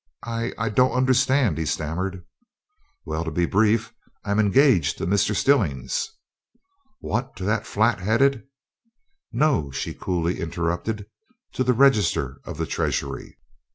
"I I don't understand!" he stammered. "Well, to be brief, I'm engaged to Mr. Stillings." "What! To that flat headed " "No," she coolly interrupted, "to the Register of the Treasury."